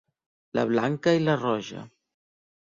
La blanca i la roja.